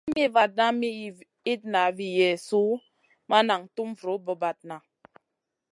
Kay mi vatna mi itna vi Yezu ma nan tum vun bra-bradna.